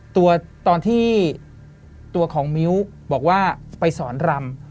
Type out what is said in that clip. ตอนที่ตัวของมิ้วบอกว่าไปสอนรำ